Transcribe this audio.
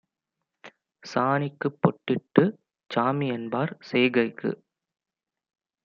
சாணிக்குப் பொட்டிட்டுச் சாமிஎன்பார் செய்கைக்கு